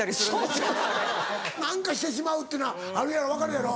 そうそう何かしてしまうっていうのはあるやろ分かるやろ？